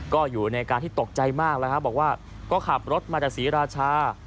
ก็อยู่ในการที่ตกใจมากแล้วครับบอกว่าก็ขับรถมาจากศรีราชา